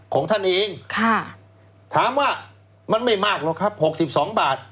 ของท่านเองค่ะถามว่ามันไม่มากหรอกครับ๖๒บาท